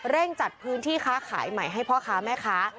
จัดพื้นที่ค้าขายใหม่ให้พ่อค้าแม่ค้า